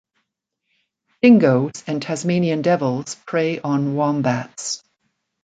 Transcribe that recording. Dingos and Tasmanian devils prey on wombats.